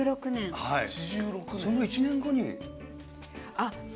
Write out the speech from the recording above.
その１年後に。